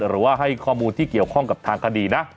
หรือว่าให้ข้อมูลที่เกี่ยวข้องกับทางคดีนะ